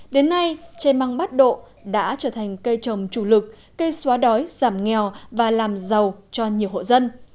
đến nay trên măng bát độ đã trở thành cây trồng chủ lực cây xóa đói giảm nghèo và làm giàu cho nhiều hộ dân